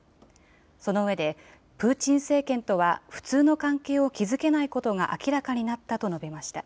その上で、プーチン政権とは普通の関係を築けないことが明らかになったと述べました。